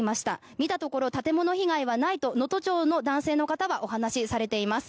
見たところ建物被害はないと能登町の男性の方はお話しされています。